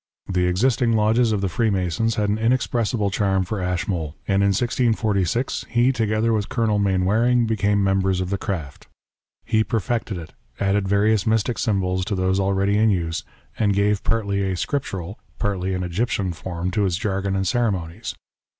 The existing lodges of the Freemasons had an inexpres sible charm for Ashmole, and in 1646 he, together with Colonel Mainwaring, became members of the craft. He perfected it, added various mystic symbols to those already in use, and gave partly a scriptural, partly an Egyptian form to its jargon and ceremonies.